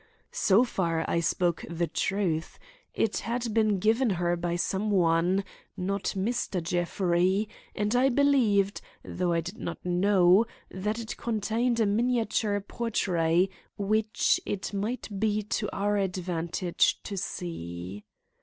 So far I spoke the truth. It had been given her by some one—not Mr. Jeffrey—and I believed, though I did not know, that it contained a miniature portrait which it might be to our advantage to see.